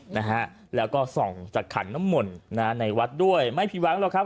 นะฮะแล้วก็ส่องจากขันน้ำมนต์นะฮะในวัดด้วยไม่ผิดหวังหรอกครับ